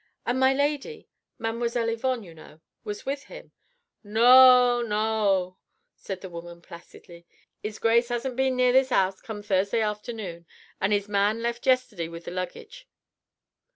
"And my lady ... Mademoiselle Yvonne, you know ... was with him." "Noa! Noa!" said the woman placidly. "'Is Grace 'asn't been near this 'ouse come Thursday afternoon, and 'is man left yesterday wi' th' liggage.